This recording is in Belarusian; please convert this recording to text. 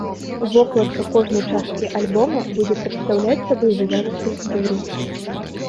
Вокладка кожнай часткі альбома будзе прадстаўляць сабой выяву скульптуры.